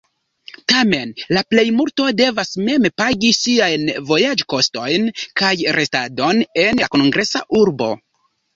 Tamen la plejmulto devas mem pagi siajn vojaĝkostojn kaj restadon en la kongresa urbo.